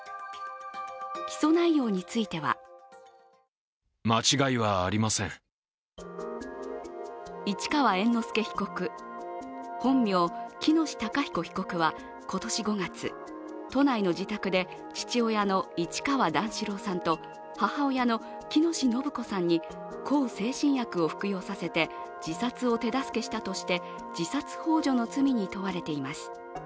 起訴内容については市川猿之助被告、本名・喜熨斗孝彦被告は今年５月、都内の自宅で父親の市川段四郎さんと母親の喜熨斗延子さんに向精神薬を服用させて自殺を手助けしたとして自殺ほう助の罪に問われています。